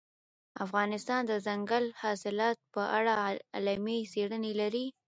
افغانستان د دځنګل حاصلات په اړه علمي څېړنې لري.